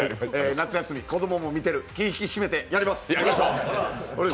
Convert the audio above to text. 夏休み、子供も見てる気引き締めてやります。